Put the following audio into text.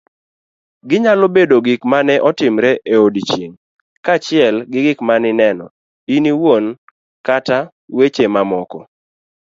Ginyalo bedo gik mane otimore eodiochieng' , kaachiel gi gik maneineno iniwuon kata weche mamoko